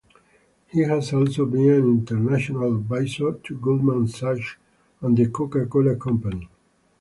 He has also been an international advisor to Goldman Sachs and The Coca-Cola Company.